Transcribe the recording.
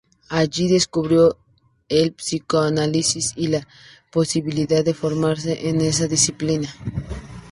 Allí descubrió el psicoanálisis y la posibilidad de formarse en esa disciplina.